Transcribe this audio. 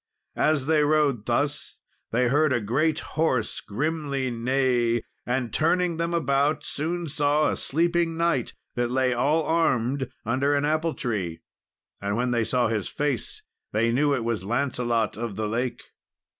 As they rode thus, they heard a great horse grimly neigh, and, turning them about, soon saw a sleeping knight that lay all armed under an apple tree; and when they saw his face, they knew it was Lancelot of the Lake.